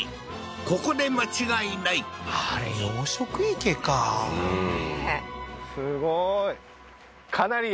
ここで間違いないあれ養殖池かねえ